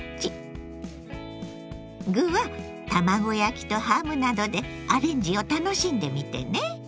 具は卵焼きとハムなどでアレンジを楽しんでみてね。